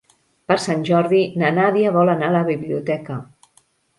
Per Sant Jordi na Nàdia vol anar a la biblioteca.